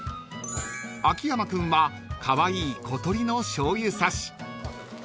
［秋山君はカワイイ小鳥のしょうゆ差し］